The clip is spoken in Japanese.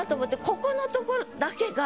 ここのところだけが。